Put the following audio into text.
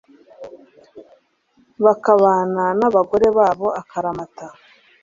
bakabana n'abagore babo akaramata